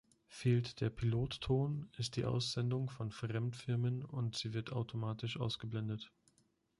Fehlt der Pilotton, ist die Aussendung von Fremdfirmen, und sie wird automatisch ausgeblendet.